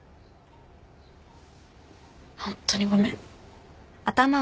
ホントにごめん。